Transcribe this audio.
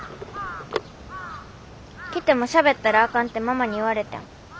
来てもしゃべったらあかんてママに言われてん。